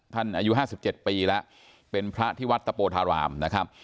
ท่านอายุห้าสิบเจ็ดปีแล้วเป็นพระที่วัดตะโปทารามนะครับ